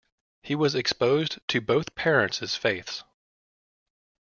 He was exposed to both parents' faiths.